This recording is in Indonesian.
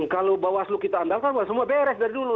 kalau bawaslu kita andalkan semua beres dari dulu